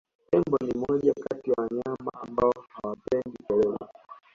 Tembo ni moja kati ya wanyama ambao hawapendi kelele